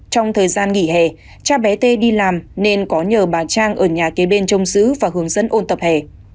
trong thời gian nghỉ hè cha bé t đi làm nên có nhờ bà trang ở nhà kế bên trông xứ và hướng dẫn ôn tập hề